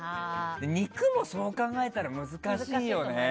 肉も、そう考えたら難しいよね。